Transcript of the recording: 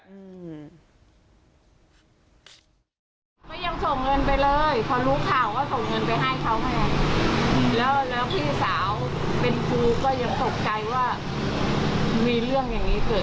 ก็ไม่คิดว่าเค้าจะหนีหนี้